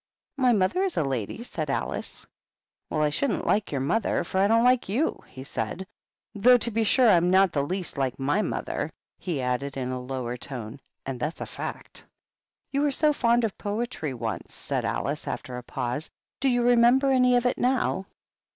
^' "My mother is a lady," said Alice. "Well I shouldn't like your mother, for I don't like yo^," he said. "Though, to be sure, I'm not the least like my mother," he added, in a lower tone; "and that's a fact." " You were so fond of poetry once," said Alice, after a pause ;" do you remember any of it now